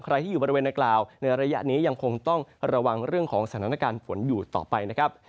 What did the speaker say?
ใครที่อยู่บริเวณนักกล่าวในระยะนี้ยังคงต้องระวังเรื่องของสถานการณ์ฝนอยู่ต่อไปนะครับ